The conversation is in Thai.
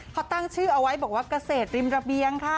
เขาตั้งชื่อเอาไว้บอกว่าเกษตรริมระเบียงค่ะ